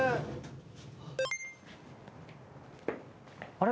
あれ？